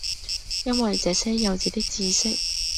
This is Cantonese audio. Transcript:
因爲這些幼稚的知識，